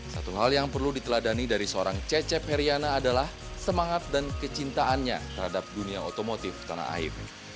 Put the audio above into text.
satu hal yang perlu diteladani dari seorang cecep heriana adalah semangat dan kecintaannya terhadap dunia otomotif tanah air